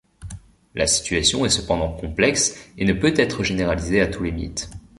La situation est cependant complexe et ne peut être généralisée à tous les mythes.